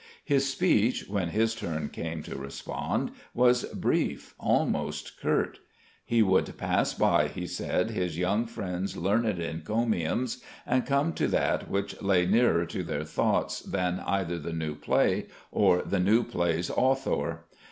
His speech, when his turn came to respond, was brief, almost curt. He would pass by (he said) his young friend's learned encomiums, and come to that which lay nearer to their thoughts than either the new play or the new play's author.